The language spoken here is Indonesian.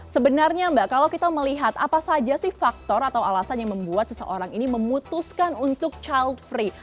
sebenarnya mbak kalau kita melihat apa saja sih faktor atau alasan yang membuat seseorang ini memutuskan untuk child free